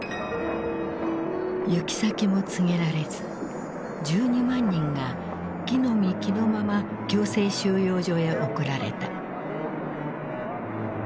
行き先も告げられず１２万人が着のみ着のまま強制収容所へ送られた。